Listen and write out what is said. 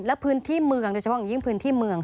และพื้นที่เมืองโดยเฉพาะอย่างยิ่งพื้นที่เมือง